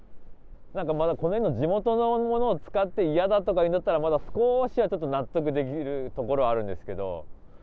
なんかまだ地元のものを使って嫌だとかいうんだったら、まだ少しはちょっと納得できるところあるんですけど。